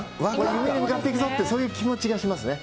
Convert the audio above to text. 夢に向かっていくぞという、そういう気持ちがしますね。